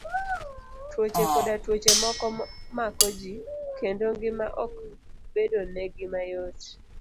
Tuoche koda tuoche moko mako ji, kendo ngima ok bedonegi mayot.